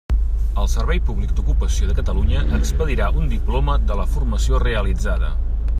El Servei Públic d'Ocupació de Catalunya expedirà un diploma de la formació realitzada.